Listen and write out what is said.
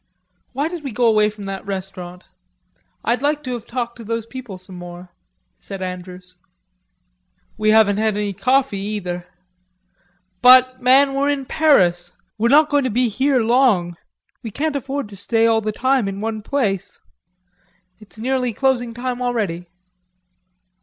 "Why did we go away from that restaurant? I'd like to have talked to those people some more," said Andrews. "We haven't had any coffee either.... But, man, we're in Paris. We're not going to be here long. We can't afford to stay all the time in one place.... It's nearly closing time already...."